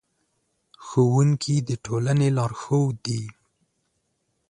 ښوونکي د ټولنې لارښود دي.